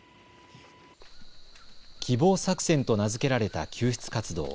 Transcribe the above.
希望作戦と名付けられた救出活動。